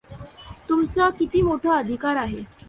तुमचा किती मोठा अधिकार आहे.